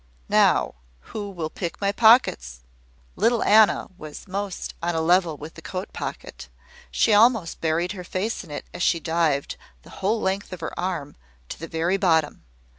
Now, who will pick my pockets?" Little Anna was most on a level with the coat pocket. She almost buried her face in it as she dived, the whole length of her arm, to the very bottom.